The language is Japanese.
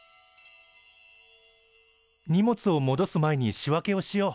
荷物をもどす前に仕分けをしよう。